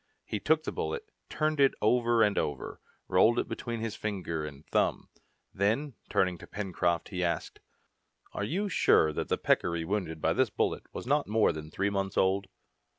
He took the bullet, turned it over and over, rolled it between his finger and thumb; then, turning to Pencroft, he asked, "Are you sure that the peccary wounded by this bullet was not more than three months old?"